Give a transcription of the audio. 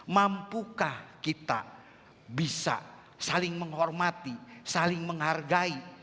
mampukah kita bisa saling menghormati saling menghargai